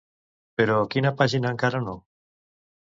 Però quina pàgina encara no?